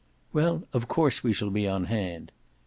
"Well, of course we shall be on hand."